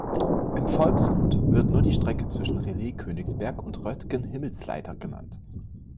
Im Volksmund wird nur die Strecke zwischen Relais Königsberg und Roetgen Himmelsleiter genannt.